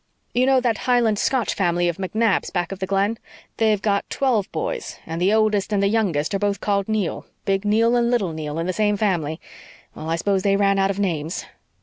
You know that Highland Scotch family of MacNabs back of the Glen? They've got twelve boys and the oldest and the youngest are both called Neil Big Neil and Little Neil in the same family. Well, I s'pose they ran out of names."